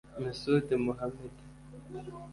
Mesud Mohammed